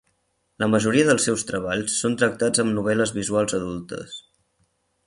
La majoria dels seus treballs són tractats amb novel·les visuals adultes.